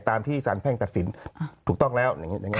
ตามที่สารแพ่งตัดสินถูกต้องแล้ว